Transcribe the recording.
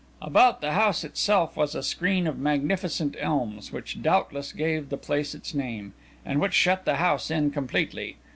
About the house itself was a screen of magnificent elms, which doubtless gave the place its name, and which shut the house in completely.